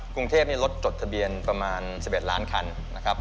กรุงเทพรถจดทะเบียนประมาณ๑๑ล้านคันนะครับ